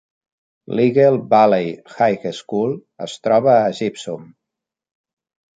L'Eagle Valley High School es troba a Gypsum.